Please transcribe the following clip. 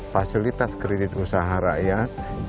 fasilitas kredit usaha rakyat